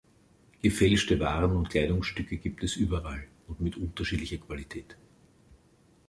Gefälschte Waren und Kleidungsstücke gibt es überall und mit unterschiedlicher Qualität.